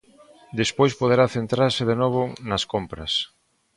Despois poderá centrarse de novo nas compras.